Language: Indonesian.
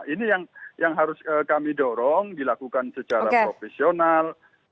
ini yang harus kami dorong dilakukan secara profesional